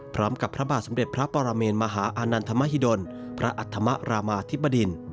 พรรมกับพระบาทสมเด็จพระปราเมนมหาอนัลธรมาฮิดลพระอัธสมรรมาธิปรดิน